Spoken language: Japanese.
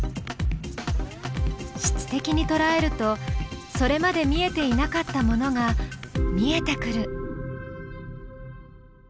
質的にとらえるとそれまで見えていなかったものが見えてくる。